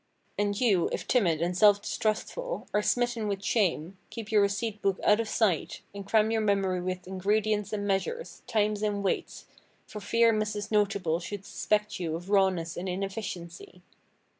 And you, if timid and self distrustful, are smitten with shame, keep your receipt book out of sight, and cram your memory with ingredients and measures, times and weights, for fear Mrs. Notable should suspect you of rawness and inefficiency.